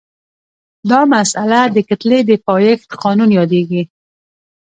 دا مسئله د کتلې د پایښت قانون یادیږي.